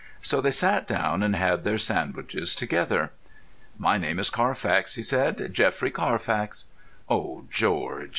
So they sat down and had their sandwiches together. "My name is Carfax," he said, "Geoffrey Carfax." Oh, George!